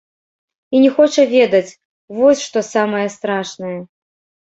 І не хоча ведаць, вось што самае страшнае.